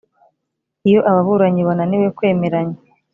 Iyo ababuranyi bananiwe kwemeranya